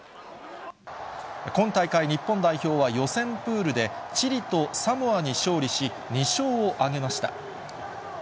今大会、日本代表は予選プールで、チリとサモアに勝利し、２勝を挙げました。